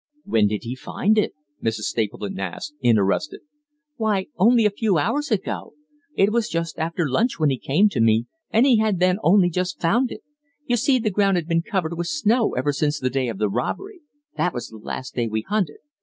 "When did he find it?" Mrs. Stapleton asked, interested. "Why, only a few hours ago it was just after lunch when he came to me, and he had then only just found it. You see, the ground has been covered with snow ever since the day of the robbery; that was the last day we hunted."